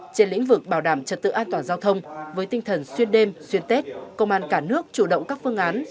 trên lĩnh vực bảo đảm trật tự an toàn giao thông với tinh thần xuyên đêm xuyên tết công an cả nước chủ động các phương án